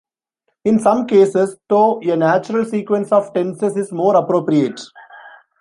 In some cases, though, a "natural sequence" of tenses is more appropriate.